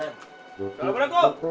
udah lapar aku